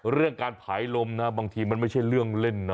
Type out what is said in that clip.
เรื่องการผายลมนะบางทีมันไม่ใช่เรื่องเล่นนะ